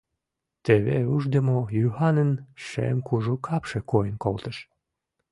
Теве Ушдымо-Юханын шем кужу капше койын колтыш.